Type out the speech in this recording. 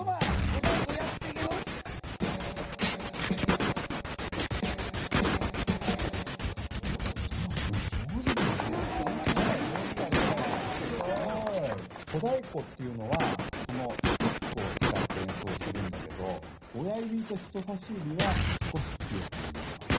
小だいこっていうのはこのスティックを使ってえんそうするんだけど親ゆびと人さしゆびは少し強くにぎります。